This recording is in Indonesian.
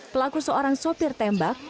pelaku seorang sopir tembak